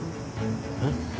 えっ？